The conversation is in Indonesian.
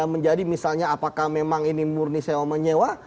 menjadi misalnya apakah memang ini murni sewa menyewa